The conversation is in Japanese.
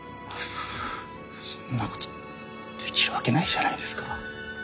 そんなことできるわけないじゃないですか。